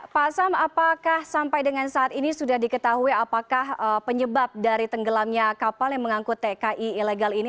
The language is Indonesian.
pak sam apakah sampai dengan saat ini sudah diketahui apakah penyebab dari tenggelamnya kapal yang mengangkut tki ilegal ini